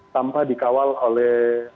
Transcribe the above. tanpa dikawal oleh